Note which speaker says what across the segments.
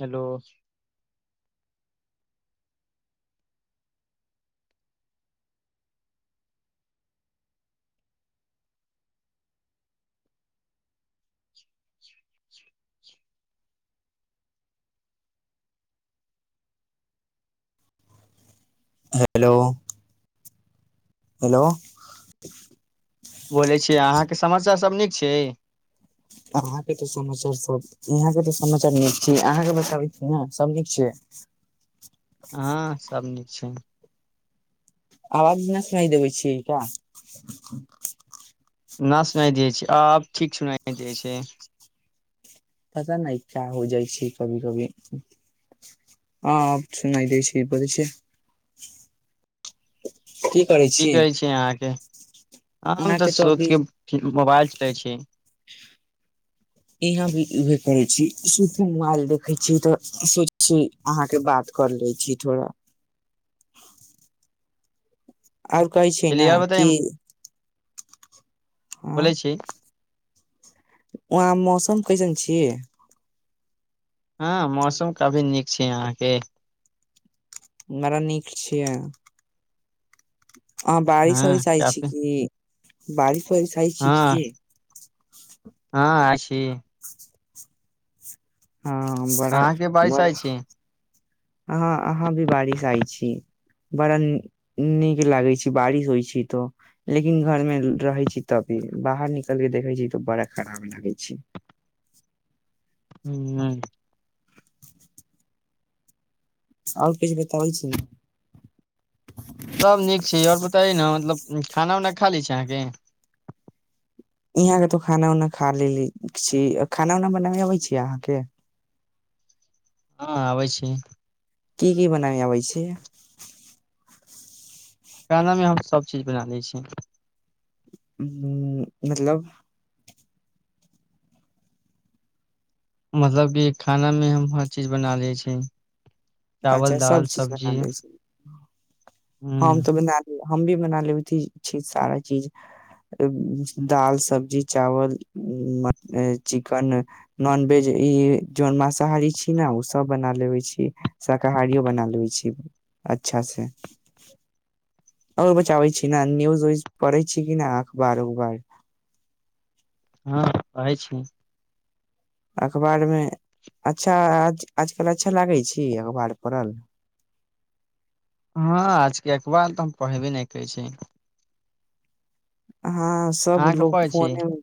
Speaker 1: Hello [inaudible]
Speaker 2: hello hello
Speaker 1: बोलै छियै अहाँके समस्या सभ नीक छै
Speaker 2: अहाँके तऽ समाचार सब यहाँके तऽ समाचार नीक छी अहाँके बताबै छी ने सब नीक छिय
Speaker 1: हँ सभ नीक छै
Speaker 2: आवाज न सूनाई दिबै छियै का
Speaker 1: न सुनाइ दियै छै आब ठीक सुनाइ दै छै
Speaker 2: पता नहि क्या हो जाइ छै कभी कभी हॅं सुनाइ दै छै बजै छै
Speaker 1: की कहै छैै अहाँके आम तऽ
Speaker 2: अहाँके अभी
Speaker 1: सोकें उठलिहन मोबाइल चलै छै
Speaker 2: यहाँ भी इे करै छी स मोबाइल देखै छी तऽ सोच छी अहाँके बात कर लै छी थोड़ा आओर कहै छै न
Speaker 1: चलिय आओर बताइ
Speaker 2: कि हँ
Speaker 1: बोलै छी
Speaker 2: वहाँ मौसम कैसन छिय
Speaker 1: हँ मौसम काफी नीक छै अहाँके
Speaker 2: बरा नीक छियै हँ बारिश होइ छइ छै कि बाड़ी पैसइ
Speaker 1: हँ
Speaker 2: छै की
Speaker 1: हँ अ छी
Speaker 2: हँ बड़ा
Speaker 1: अहाँके बारिश
Speaker 2: बर
Speaker 1: आइ छी
Speaker 2: अहाँ अहाँ भी बारिश आइ छी बड़ा नीक लागै छै बारिश होइ छै तऽ लेकिन घरमे रहै छी तभी बाहर निकल कऽ देखै छी तऽ बड़ा खराब लागै छै
Speaker 1: हू
Speaker 2: आओ किछ बताउ छी ने
Speaker 1: सब नीक छै आओर बताइ ने मतलब खाना उना खा ली छै अहाँके
Speaker 2: यहाँके तो खाना उनाा खा लेलै छी खाना उना बनाबै अबै छै अहाँके
Speaker 1: हँ आबै छी
Speaker 2: की की बनाय आबै छै
Speaker 1: खानामे हम सबचीज बना लै छी
Speaker 2: ह मतलब
Speaker 1: मतलब कि खानामे हम हर चीज बना लै छी
Speaker 2: अच्छा
Speaker 1: चावल
Speaker 2: सब
Speaker 1: दाल
Speaker 2: चीज बना
Speaker 1: सब्जी
Speaker 2: लै छी हम
Speaker 1: ह
Speaker 2: त बना लिय हम भी बना लेब छी सारा चीज दाल सब्जी चावल म चिकन नॉनवेज ई जन मासाहारी छी ने ओ सब बना लेबे छी शाकाहारियो बना लेबे छी अच्छा से [inaudible] ओ बचाबै छी ने न्यूज उज पढ़ै छी कि नहि अखबार उखबार
Speaker 1: हँ पढै छी
Speaker 2: अखबारमे अच्छा आजकल अच्छा लागै छै अखबार पड़ल
Speaker 1: हँ आजके अखबार तऽ हम पढ़बे नहि करै छी
Speaker 2: हँ सब
Speaker 1: अहाँके
Speaker 2: लोग
Speaker 1: पढ़ै छी
Speaker 2: फोने मे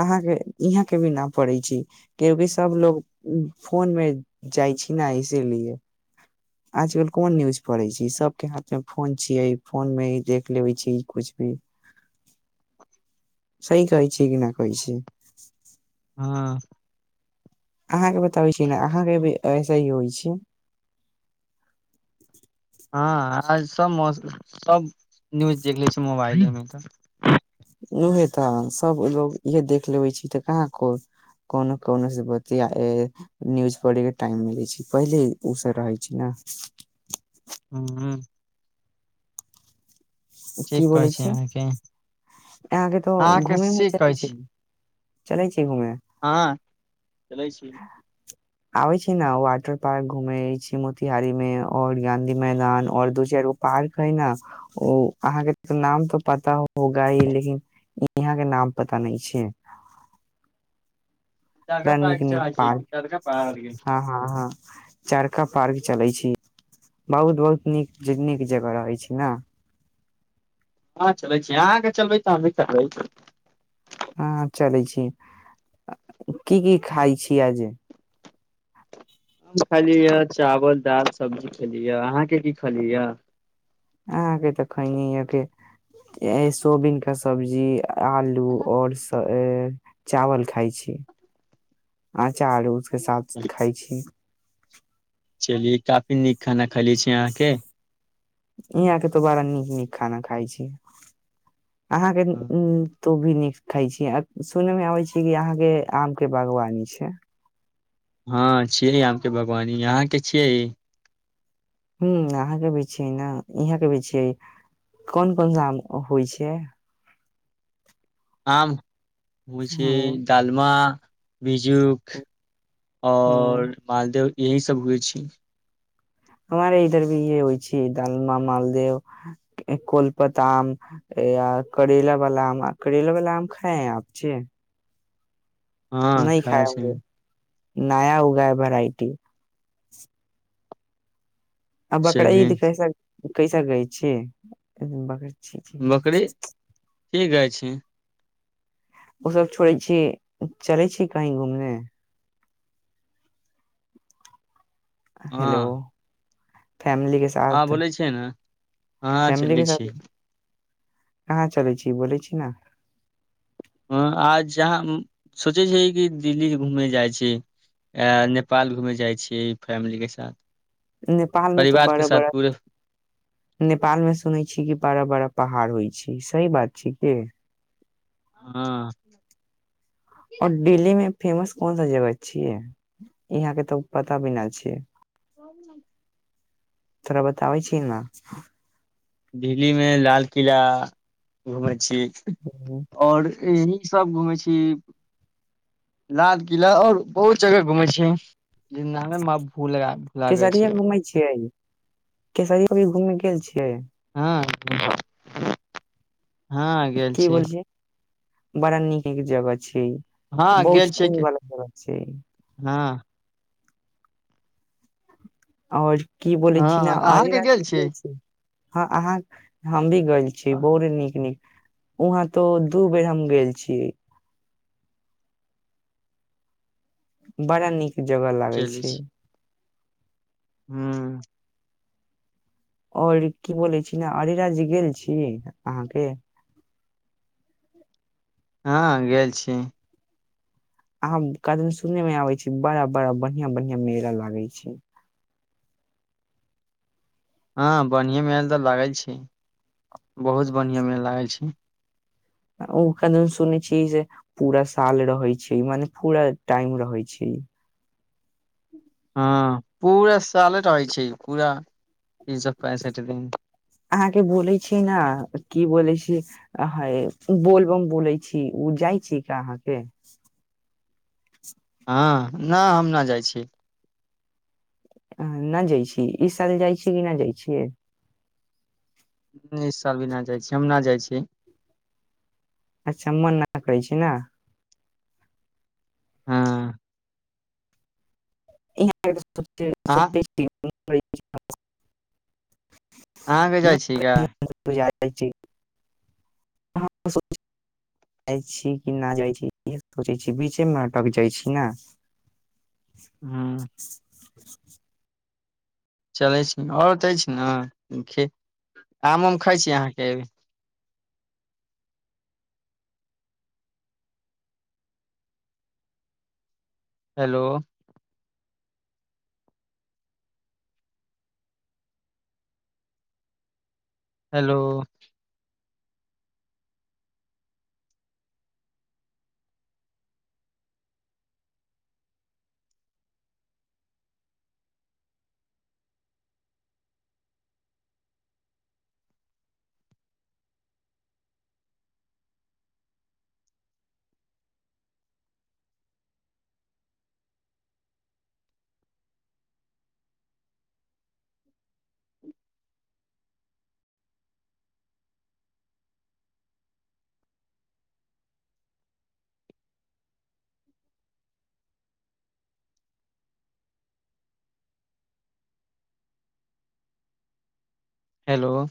Speaker 2: अहाँके इहाँ के भी न पढ़ै छी क्यकि सभलोग फोन मे जाइ छी न इसीलिए आजकल कोन न्यूज पढ़ै छी सभके हाथ मे फोन छियै फोन मे देख लेबै छी कुछ भी सही कहै छी कि नहि कहै छी
Speaker 1: हँ
Speaker 2: अहाँके बताबै छी ने अहाँके भी ऐसे ही होइ छै
Speaker 1: हँ आ सभ मौ सभ न्यूज देख लै छै मोबाइलेमे तऽ
Speaker 2: उहे तऽ सबलोग इएह देख लेबै छी तऽ कहाँ को कोनो कोनोसँ बतिया न्यूज पढ़यके टाइम मिलै छै पहिले ओसभ रहै छै ने
Speaker 1: हँ चेक करै छी अहाँके
Speaker 2: आहां तऽ
Speaker 1: अहाँके
Speaker 2: घुममे
Speaker 1: से
Speaker 2: चाह
Speaker 1: कहै
Speaker 2: छी चलै छी कि घुमै
Speaker 1: हँ चलै छी
Speaker 2: आबै छै ने वाटर पार्क घूमे छै मोतिहारी मे और गाँधी मैदान और दू चारि गो पार्क है ने ओ अहाँके नाम तऽ पता होगा हि लेकिन यहाँ के नाम पता नहि छै त
Speaker 1: चरखा
Speaker 2: नीक
Speaker 1: पार्क
Speaker 2: नीक
Speaker 1: चलै छी
Speaker 2: पार्क
Speaker 1: चरखा पार्क
Speaker 2: हँ हँ हँ चारका पार्क चलई छी बहुत बहुत नीक जग नीक जगह रहै छी न
Speaker 1: हँ चलै छी अहाँके चलबै तऽ हम भी चलबय
Speaker 2: हँ हँ चलै छी की की खाय छी आज
Speaker 1: खालीए चावल दाल सब्जी खेलीए अहाँके की खालीए या
Speaker 2: अहाँके तऽ खैनी य के सोबिन के सब्जी आलू ओर स ए चावल खइ छी आ चारू उसके साथ खाइ छी
Speaker 1: चलि काफी नीक खाना खले छी अहाँके
Speaker 2: इयांक त बड़ा नीक नीक खाना खाय छी अहाँके उ तो भी नीक खााय छी सुनय मे आबै छी कि अहाँके आम के बागवानी छै
Speaker 1: हँ छियै आम के बागवानी यहाँ के छियै
Speaker 2: हुँ अहाँके भी छियै ने इहाँ के भी छियै कौन कौनसा आम होइ छै
Speaker 1: आम होइ छै
Speaker 2: ह
Speaker 1: डालमा भीजुख ओर
Speaker 2: ह
Speaker 1: मालदेव यही सब होइ छी
Speaker 2: हमारे इधर भी य होइ छै दालमा मालदेव कोलपत आम या करैला वाला आम करैला वाला आम खाए है आम छै
Speaker 1: हँ खाय छै
Speaker 2: नया उगा है वेराइटी अब बकरा
Speaker 1: चलिये
Speaker 2: ईद कैसन कैसा गाय छिय
Speaker 1: बकरी ठीक अइछ की
Speaker 2: ओसभ छोड़ै छी चलै छी कही घूमे
Speaker 1: हँ
Speaker 2: हेलो फैमिली के
Speaker 1: हँ
Speaker 2: साथ
Speaker 1: बोलै छियै ने हँ
Speaker 2: फैमिली
Speaker 1: चलै
Speaker 2: के साथ
Speaker 1: छी
Speaker 2: कहाँ चलै छी बोलइ छी न
Speaker 1: हँ आ जहाँ सोचै छै कि दिल्ली घूमे जाइ छी आ नेपाल घूमे जाइ छी फैमिली के साथ
Speaker 2: नेपाल मे त
Speaker 1: परिवार के
Speaker 2: बड़ा
Speaker 1: साथ
Speaker 2: बड़ा
Speaker 1: पूरे
Speaker 2: नेपाल मे सुनै छी कि बड़ा बड़ा पहाड़ होइ छै सही बात छै के?
Speaker 1: हँ
Speaker 2: और डेली मे फेमस कोन सा जगह छियै यहां के तऽ पता भी नहि छ।
Speaker 1: [inaudible]
Speaker 2: तोरा बताबै छिय ने।
Speaker 1: दिल्ली मे लाल किला घुमेै छिय। और यह सब घूमे छी लाल किला और बहुत जगह घुमे छी जे न [unintelligible]
Speaker 2: केसरिये घूमै छियै केसरी की घूममे गेल छियै।
Speaker 1: ह हँ गेल
Speaker 2: की
Speaker 1: छी।
Speaker 2: बोल छियै बड़ा नीक एक जगह [inaudible] छैय
Speaker 1: हँ
Speaker 2: बहु
Speaker 1: गेल छी
Speaker 2: कोन गला च छै
Speaker 1: हँ
Speaker 2: और की बोलै छि ने
Speaker 1: हँ
Speaker 2: अरे
Speaker 1: अहाँके
Speaker 2: र
Speaker 1: गेल छी
Speaker 2: [unintelligible] हँ अहाँ हम भी गेल छी बहुत नीक नीक वहाँ तो दू बेर हम गेल छियै। बड़ा नीक जगह लागै छै
Speaker 1: हाँ
Speaker 2: आओर की बोलै छी ने अरिरा जे गेल छी अहाँके
Speaker 1: हँ गेल छी
Speaker 2: अहाँ कदन सुननेमे आबै छी बड़ा बड़ा बढ़िआँ बढ़िआं मेला लागै छै
Speaker 1: हँ बढ़िए मेल तऽ लागै छै। बहुत बढ़ियां मे लागल छै
Speaker 2: ओ कन सुनै छियै जे पूरा साल रहै छैय मने पूरा टाइम रहै छैय।
Speaker 1: हँ पूरा साले रहै छैय पूरा तीन सए पैंसठि दिन
Speaker 2: अहाँके बोलै छी ने की बोलै छी हय बोलबम बोलै छी ओ जाइ छी क अहाँके
Speaker 1: हँ नहि हम नहि जाइ छी
Speaker 2: नहि जाइ छी इ साल जाइ छी कि नहि जाइ छियै
Speaker 1: इ साल भी नहि जाइ छी हम नहि जाइ छी
Speaker 2: अच्छा मन नहि करै छै ने
Speaker 1: हँ
Speaker 2: इहाँ [unintelligible] से
Speaker 1: अहाँ
Speaker 2: स्ते [unintelligible] [unintelligible]
Speaker 1: अहाँभी जाइ ग
Speaker 2: क जी जाइ छी कि न जाइ छी इ सोचै छी बीचेमे अटक जाइ छी न
Speaker 1: हुं
Speaker 2: [inaudible]
Speaker 1: चलै छी आओर त अछि न खे आम उम खाइ छी अहाँके हेलो हेलो हेलो